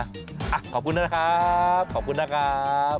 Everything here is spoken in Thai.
ขอบคุณนะครับขอบคุณนะครับ